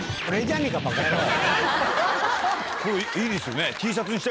いいですよね。